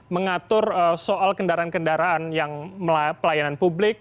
mengatur soal kendaraan kendaraan yang pelayanan publik